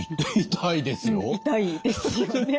痛いですよね。